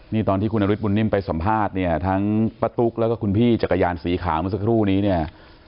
นี่ตอนที่คุณนฤทธบุญนิ่มไปสัมภาษณ์เนี่ยทั้งป้าตุ๊กแล้วก็คุณพี่จักรยานสีขาวเมื่อสักครู่นี้เนี่ย